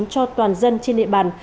cho toàn dân trên địa bàn